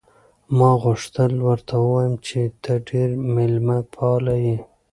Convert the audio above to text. ما غوښتل ورته ووایم چې ته ډېره مېلمه پاله یې.